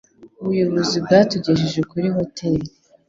Ubuyobozi bwatugejeje kuri hoteri.